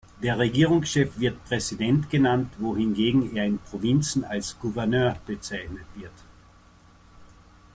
Der Regierungschef wird Präsident genannt, wohingegen er in Provinzen als Gouverneur bezeichnet wird.